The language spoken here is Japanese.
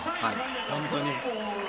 本当に。